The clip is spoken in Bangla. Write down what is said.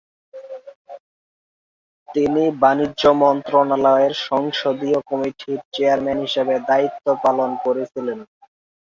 তিনি বাণিজ্য মন্ত্রণালয়ের সংসদীয় কমিটির চেয়ারম্যান হিসেবে দায়িত্ব পালন করেছিলেন।